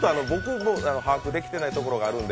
把握できていないところがあるので。